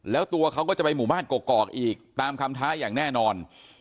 แล้วตัวเขาก็จะไปหมู่บ้านกอกอีกตามคำท้าอย่างแน่นอน